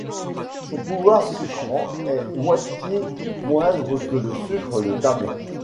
Son pouvoir sucrant est moitié moindre que le sucre de table.